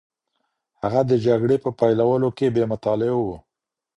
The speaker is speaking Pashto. هغوی د جګړې په پیلولو کي بې مطالعې وو.